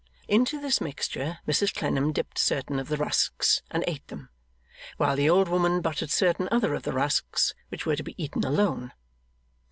Into this mixture Mrs Clennam dipped certain of the rusks, and ate them; while the old woman buttered certain other of the rusks, which were to be eaten alone.